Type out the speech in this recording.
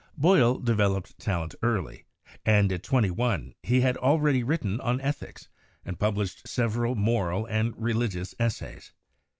Boyle developed talent early, and at twenty one he had already written on ethics and published several moral and religious essays.